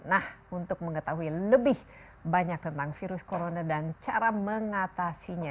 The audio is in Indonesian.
nah untuk mengetahui lebih banyak tentang virus corona dan cara mengatasinya